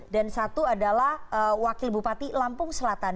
dan satu adalah wakil bupati lampung selatan